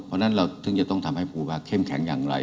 เพราะฉะนั้นเราถึงจะต้องทำให้ภูมิภาคเข้มแข็งอย่างไร